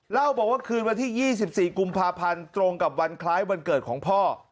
เล่าบอกว่าคืนวันที่๒๔กุมภาพันธ์ตรงกับวันคล้ายวันเกิดของพ่อ